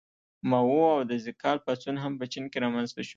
مائو او د ز کال پاڅون هم په چین کې رامنځته شو.